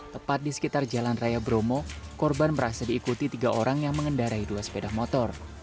tepat di sekitar jalan raya bromo korban merasa diikuti tiga orang yang mengendarai dua sepeda motor